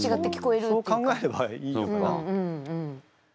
そう考えればいいのか。